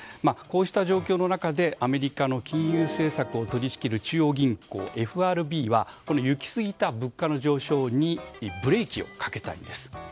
こうした状況の中でアメリカの金融政策を取り仕切る中央銀行・ＦＲＢは行き過ぎた物価の上昇にブレーキをかけたいんです。